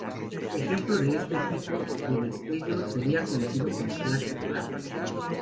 Ejemplo de este tipo de destello sería el conocido flash fotográfico.